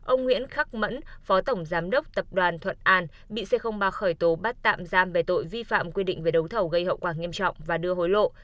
ông nguyễn khắc mẫn phó tổng giám đốc tập đoàn thuận an bị c ba khởi tố bắt tạm giam về tội vi phạm quy định về đấu thầu gây hậu quả nghiêm trọng và đưa hối lộ